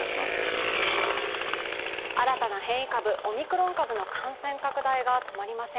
新たな変異株、オミクロン株の感染拡大が止まりません。